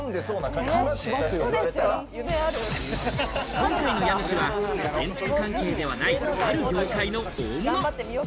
今回の家主は建築関係ではないある業界の大物。